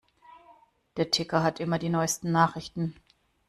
Der Ticker hat immer die neusten Nachrichten.